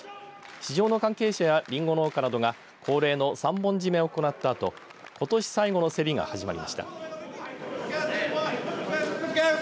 市場の関係者やりんご農家などが恒例の三本締めを行ったあとことし最後の競りが始まりました。